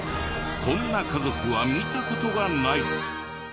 こんな家族は見た事がない。